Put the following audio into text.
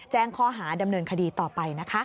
แจ้งข้อหาดำเนินคดีต่อไปนะคะ